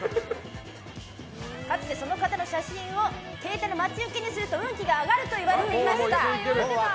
かつて、その方の写真を携帯の待ち受けにすると運気が上がるといわれていました。